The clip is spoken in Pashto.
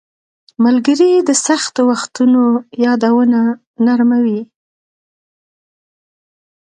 • ملګري د سختو وختونو یادونه نرموي.